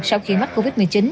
sau khi mắc covid một mươi chín